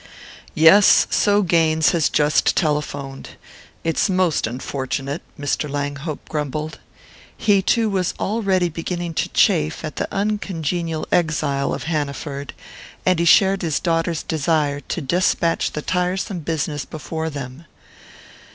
"Yes: so Gaines has just telephoned. It's most unfortunate," Mr. Langhope grumbled. He too was already beginning to chafe at the uncongenial exile of Hanaford, and he shared his daughter's desire to despatch the tiresome business before them.